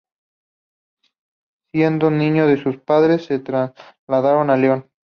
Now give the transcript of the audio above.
Siendo niño, sus padres se trasladaron a León.